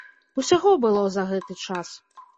Усяго было за гэты час.